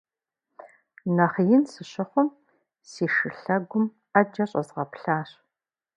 Нэхъ ин сыщыхъум, си шы лъэгум Ӏэджэ щӀэзгъэплъащ.